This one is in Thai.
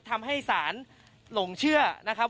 ก็ตอบได้คำเดียวนะครับ